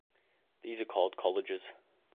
These are called colleges.